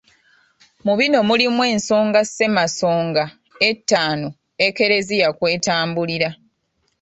Mu bino mulimu ensonga Ssemasonga ettaano Ekereziya kw'etambulira.